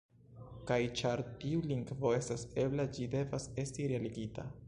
Kaj ĉar tiu lingvo estas ebla, ĝi devas esti realigita.